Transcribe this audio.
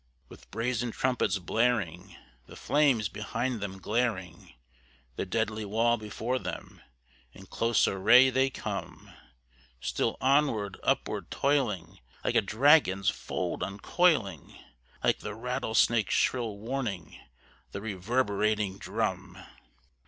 With brazen trumpets blaring, the flames behind them glaring, The deadly wall before them, in close array they come; Still onward, upward toiling, like a dragon's fold uncoiling, Like the rattlesnake's shrill warning the reverberating drum!